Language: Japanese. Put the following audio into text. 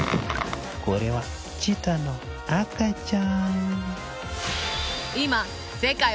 これはチーターの赤ちゃん。